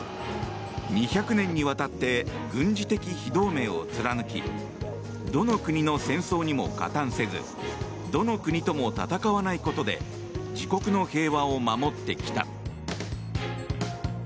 ２００年にわたって軍事的非同盟を貫きどの国の戦争にも加担せずどの国とも戦わないことで自国の平和を守ってきた。